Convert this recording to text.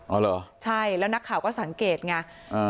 เหรอใช่แล้วนักข่าวก็สังเกตไง